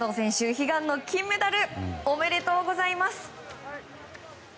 悲願の金メダルおめでとうございます！